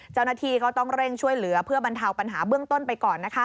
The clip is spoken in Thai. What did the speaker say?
เจ้าหน้าที่ก็ต้องเร่งช่วยเหลือเพื่อบรรเทาปัญหาเบื้องต้นไปก่อน